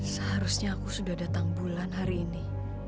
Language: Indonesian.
seharusnya aku sudah datang bulan hari ini